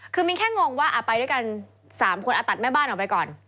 คือมิ้นแค่งงว่าไปด้วยกัน๓คนตัดแม่บ้านออกไปก่อน